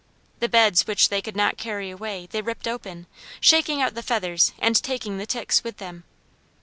The beds which they could not carry away they ripped open, shaking out the feathers and taking the ticks with them.